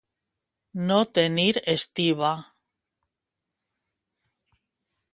No tenir estiba.